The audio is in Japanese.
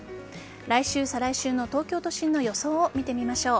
来週、再来週の東京都心の予想を見てみましょう。